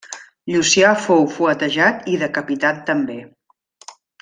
Llucià fou fuetejat i decapitat també.